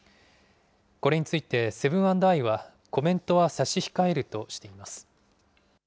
これについて、セブン＆アイはコメントは差し控えるとしています。